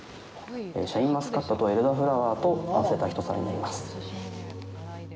シャインマスカットとエルダーフラワーと合わせた一皿になります。